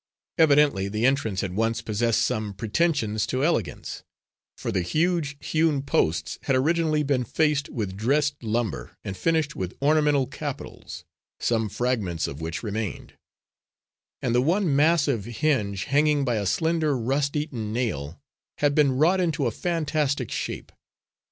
Evidently the entrance had once possessed some pretensions to elegance, for the huge hewn posts had originally been faced with dressed lumber and finished with ornamental capitals, some fragments of which remained; and the one massive hinge, hanging by a slender rust eaten nail, had been wrought into a fantastic shape.